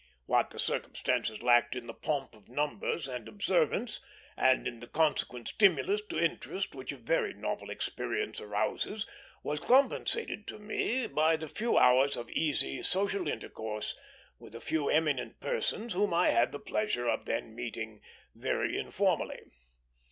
What the circumstances lacked in the pomp of numbers and observance, and in the consequent stimulus to interest which a very novel experience arouses, was compensated to me by the few hours of easy social intercourse with a few eminent persons, whom I had the pleasure of then meeting very informally.